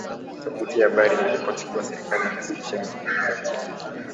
Tovuti ya habari iliripoti kuwa serikali imesitisha mazungumzo